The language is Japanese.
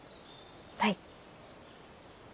はい。